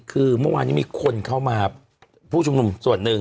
คือเมื่อวานนี้มีคนเข้ามาผู้ชุมนุมส่วนหนึ่ง